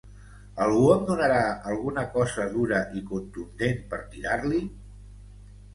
Algú em donarà alguna cosa dura i contundent per tirar-li?